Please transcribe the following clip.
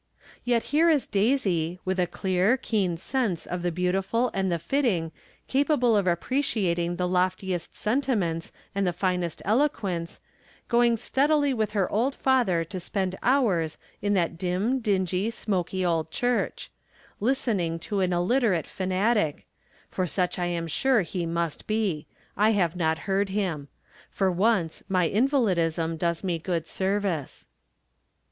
Yet here is Daisy, with a clear, keen sense of the beautiful and the fitting capable of appreciating the loftiest sentiments and the finest eloquence, going steadily with her old father to spend hovu:s in that dim, dingy, smoky old church ; listening to an illiterate fanatic ; for such I am sure he must be. I have not heard him. For once my invahdism does me good service.